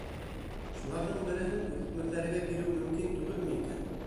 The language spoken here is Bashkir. Шуларҙың береһен үҫмерҙәргә биреү мөмкин түгелме икән?